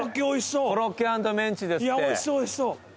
おいしそうおいしそう。